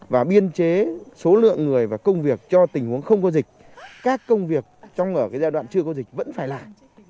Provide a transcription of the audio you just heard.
và biên chế số lượng người và công việc cho tình huống không có dịch các công việc trong ở giai đoạn chưa có dịch vẫn phải làm